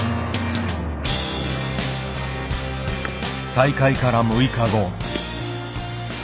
大会から６日後。